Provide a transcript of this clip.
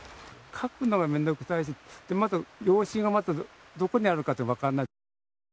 書くのが面倒くさいし、また用紙がまたどこにあるのか分からない。